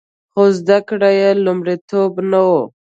خو زده کړې لومړیتوب نه و